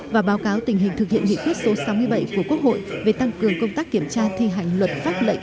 và báo cáo tình hình thực hiện nghị quyết số sáu mươi bảy của quốc hội về tăng cường công tác kiểm tra thi hành luật pháp lệnh